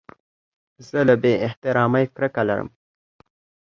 زه له بې احترامۍ کرکه لرم.